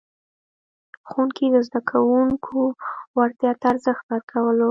ښوونکي د زده کوونکو وړتیا ته ارزښت ورکولو.